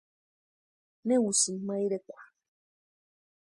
¿Ne úsïni ma irekwa?